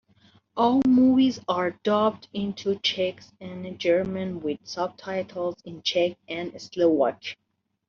All movies are dubbed into Czech and German, with subtitles in Czech and Slovak.